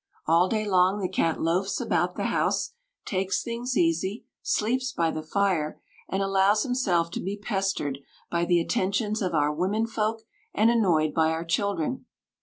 All day long the cat loafs about the house, takes things easy, sleeps by the fire, and allows himself to be pestered by the attentions of our womenfolk and annoyed by our children.